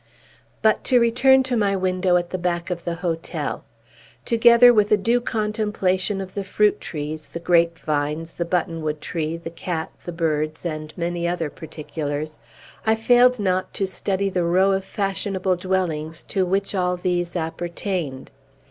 But, to return to my window at the back of the hotel. Together with a due contemplation of the fruit trees, the grapevines, the buttonwood tree, the cat, the birds, and many other particulars, I failed not to study the row of fashionable dwellings to which all these appertained.